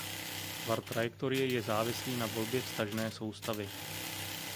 Tvar trajektorie je závislý na volbě vztažné soustavy.